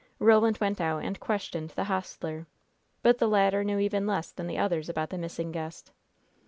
Roland went out and questioned the hostler, but the latter knew even less than the others about the missing guest.